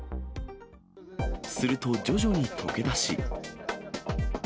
すると徐々に溶け出し。